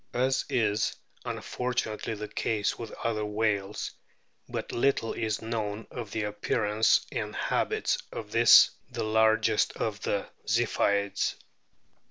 t As is unfortu nately the case with other whales, but little is known of the appearance and habits of this the largest of the Ziphioids.